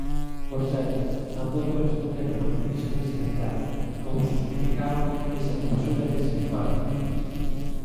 Por certo, tampouco responderon na Comisión de Sanidade como xustificaban esa censura dese informe.